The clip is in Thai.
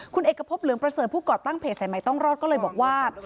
คุณเอกพบเหลืองประเสริฐผู้ก่อตั้งเพจสายใหม่ต้องรอดก็เลยบอกว่า